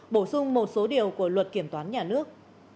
bổ sung một số điều của luật kiểm toán nhà nước